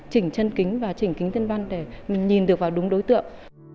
chỉnh chân kính và chỉnh kính thiên văn để nhìn được vào đúng đối tượng